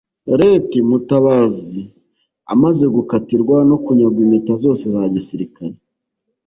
Lt Mutabazi amaze gukatirwa no kunyagwa impeta zose za gisirikare